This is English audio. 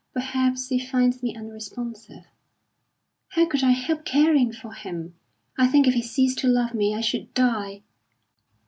Perhaps he finds me unresponsive.... How could I help caring for him? I think if he ceased to love me, I should die."